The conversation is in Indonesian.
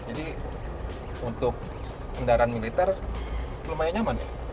jadi untuk kendaraan militer lumayan nyaman ya